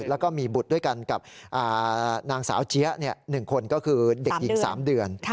แล้วก็มีบุตรด้วยกันกับนางสาวเจี๊ยะ๑คนก็คือเด็กหญิง๓เดือน